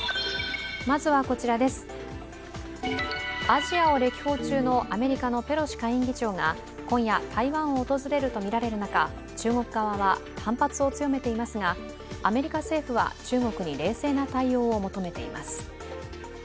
アジアを歴訪中のアメリカのペロシ下院議長が今夜、台湾を訪れるとみられる中、中国側は反発を強めていますがアメリカ政府は中国に冷静な対応を求めています。